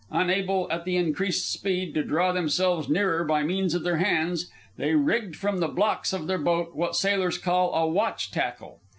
Unable, at the increased speed, to draw themselves nearer by means of their hands, they rigged from the blocks of their boat sail what sailors call a "watch tackle."